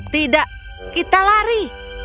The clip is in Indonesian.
tidak kita lari